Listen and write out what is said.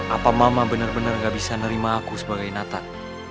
apa mama benar benar gak bisa nerima aku sebagai natat